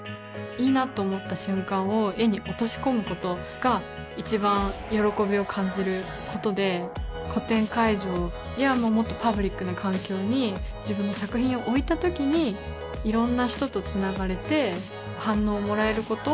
いいなっと思った瞬間を絵に落とし込むことが一番喜びを感じることで個展会場やもっとパブリックな環境に自分の作品を置いたときにいろんな人とつながれて反応をもらえること